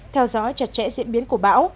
theo dõi chặt chẽ diễn biến của bão